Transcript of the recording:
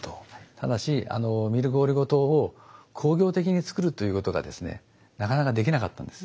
ただしミルクオリゴ糖を工業的に作るということがですねなかなかできなかったんです。